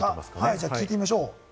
じゃあ聞いてみましょう。